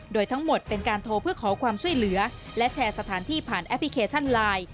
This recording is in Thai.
โดยทั้งหมดเป็นการโทรเพื่อขอความช่วยเหลือและแชร์สถานที่ผ่านแอปพลิเคชันไลน์